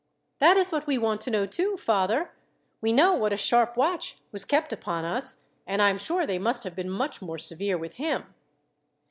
"That is what we want to know, too, father. We know what a sharp watch was kept upon us, and I am sure they must have been much more severe with him."